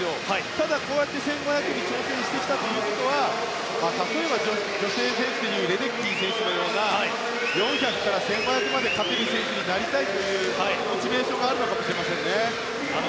ただ、こうやって１５００ｍに挑戦してきたということは例えば女性選手でいうとレデッキーのような４００から１５００まで勝てる選手になりたいというモチベーションがあるのかもしれませんね。